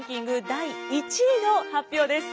第１位の発表です。